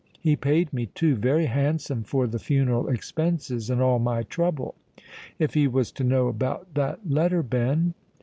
He paid me, too, very handsome for the funeral expenses and all my trouble. If he was to know about that letter, Ben?"